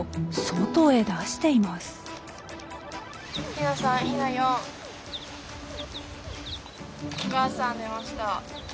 お母さん出ました。